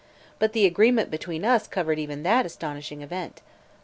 But the agreement between us covered even that astonishing event.